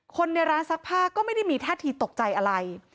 คนในร้านซักผ้าก็ไม่ได้มีท่าทีตกใจอะไร